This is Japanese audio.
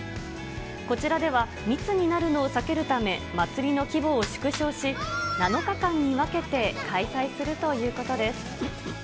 こちらでは、密になるのを避けるため、祭りの規模を縮小し、７日間に分けて開催するということです。